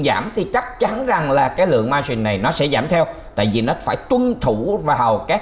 giảm thì chắc chắn rằng là cái lượng mice này nó sẽ giảm theo tại vì nó phải tuân thủ vào các